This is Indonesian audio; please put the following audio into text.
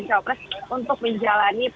dan calon presiden untuk menjalani